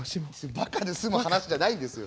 「バカ！」で済む話じゃないんですよ。